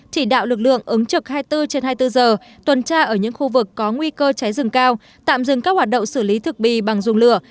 chỉ đạo lực lượng ứng trực hai mươi bốn trên hai mươi bốn giờ tuần tra ở những khu vực có nguy cơ cháy rừng cao tạm dừng các hoạt động xử lý thực bì bằng dùng lửa